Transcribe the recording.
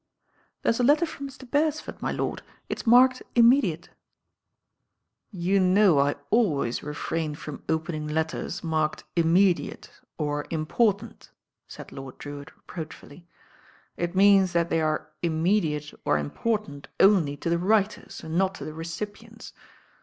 "There's a letter from Mr. Beresford, my lord: it's marked 'Immediate.' " "You know I always refrain from opening letters marked 'immediate' or 'important,'" said Lord Drewitt reproachfully. "It means that they are im mediate or important only to the writers, and not to the recipients.